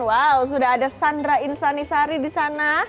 wow sudah ada sandra insanisari di sana